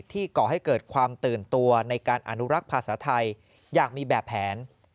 ก่อให้เกิดความตื่นตัวในการอนุรักษ์ภาษาไทยอย่างมีแบบแผน